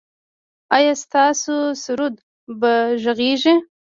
ایا ستاسو سرود به غږیږي؟